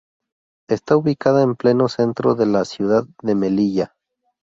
Está ubicada en pleno centro de la ciudad de Melilla.